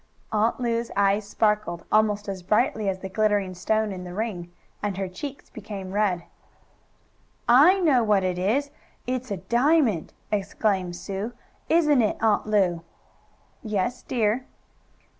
Aunt Lu's eyes sparkled, almost as brightly as the glittering stone in the ring, and her cheeks became red. "I know what it is it's a diamond!" exclaimed Sue. "Isn't it, Aunt Lu?" "Yes, dear."